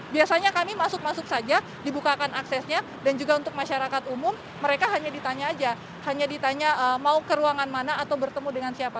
biasanya kami masuk masuk saja dibukakan aksesnya dan juga untuk masyarakat umum mereka hanya ditanya saja hanya ditanya mau ke ruangan mana atau bertemu dengan siapa